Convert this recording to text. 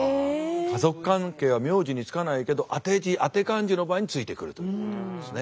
家族関係は名字に付かないけど当て字当て漢字の場合に付いてくるということですね。